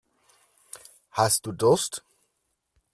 Hast du Durst?